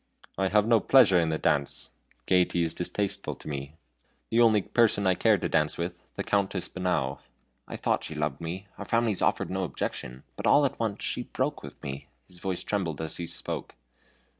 "I have no pleasure now in the dance. Gayety is distasteful to me. The only person I care to dance with the Countess Bonau I thought she loved me; our families offered no objection but all at once she broke with me." His voice trembled as he spoke.